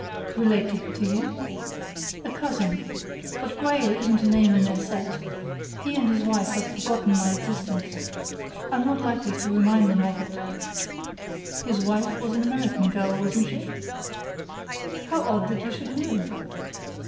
"Related to you?" "A cousin. But Grayle isn't a name in their set. He and his wife have forgotten my existence. I'm not likely to remind them of it." "His wife was an American girl, wasn't she?" "How odd that you should know!"